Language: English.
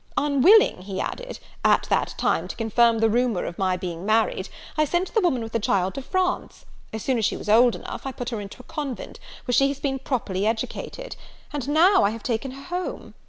'Unwilling,' he added, 'at that time to confirm the rumour of my being married, I sent the woman with the child to France: as soon as she was old enough, I put her into a convent, where she has been properly educated, and now I have taken her home.